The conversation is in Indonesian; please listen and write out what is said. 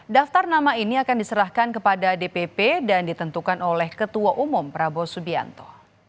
daftar nama ini akan diserahkan kepada dpp dan ditentukan oleh ketua umum prabowo subianto